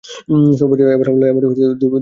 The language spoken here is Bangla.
সর্বজয়া এবার লইয়া মোটে দুইবার রেলে চড়িল।